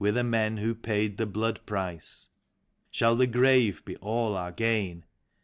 We're the men who paid the blood price. Shall the grave be all our gain?